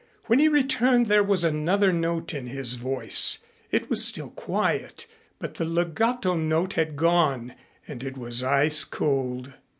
When he returned there was another note in his voice. It was still quiet but the legato note had gone, and it was ice cold.